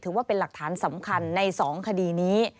ถือว่าเป็นหลักฐานสำคัญใน๒คดีนี้